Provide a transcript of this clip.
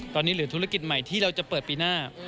ตอนนี้หรือธุรกิจใหม่ที่เราจะเปิดปีหน้า